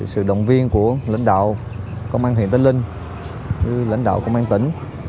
sự động viên của lãnh đạo công an huyện tây linh với lãnh đạo công an tỉnh